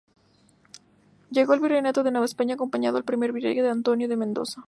Llegó al Virreinato de Nueva España acompañando al primer virrey don Antonio de Mendoza.